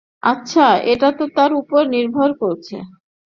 আচ্ছা, এটা তো তার উপর নির্ভর করছে।